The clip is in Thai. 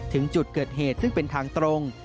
ถึงจุดเกิดเหตุซึ่งเป็นทางตรง